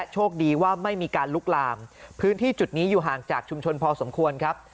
จากชุมชนพอสมควรครับ